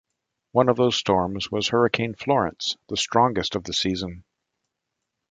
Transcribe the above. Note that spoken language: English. One of those storms was Hurricane Florence, the strongest of the season.